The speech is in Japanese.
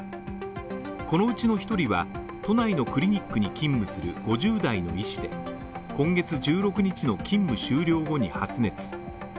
このうちの１人は都内のクリニックに勤務する５０代の医師で、今月１６日の勤務終了後に発熱。